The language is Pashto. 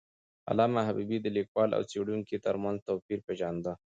علامه حبيبي د لیکوال او څیړونکي تر منځ توپیر پېژنده.